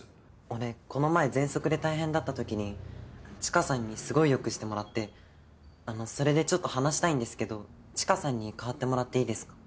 俺この前ぜんそくで大変だったときに知花さんにすごいよくしてもらってあのそれでちょっと話したいんですけど知花さんに代わってもらっていいですか？